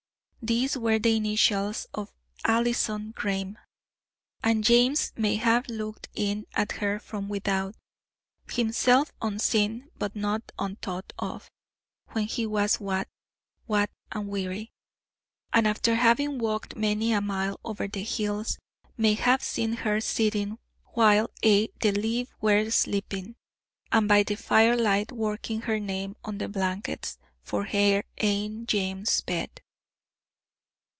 These were the initials of Alison Grame, and James may have looked in at her from without himself unseen but not unthought of when he was "wat, wat and weary," and after having walked many a mile over the hills, may have seen her sitting, while "a' the lave were sleepin';" and by the firelight working her name on the blankets, for her ain James' bed.